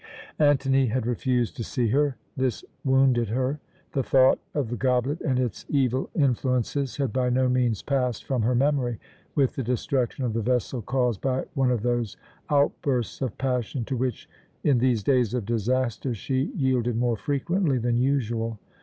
Antony had refused to see her. This wounded her. The thought of the goblet and its evil influences had by no means passed from her memory with the destruction of the vessel caused by one of those outbursts of passion to which, in these days of disaster, she yielded more frequently than usual.